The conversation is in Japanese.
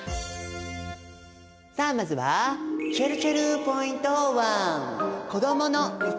さあまずはちぇるちぇるポイント